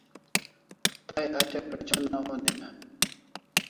Tay hatya pre'chona onim e?